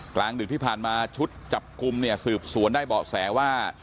กลางดึกที่ผ่านมาชุดจับกลุ่มเนี่ยสืบสวนได้เบาะแสว่า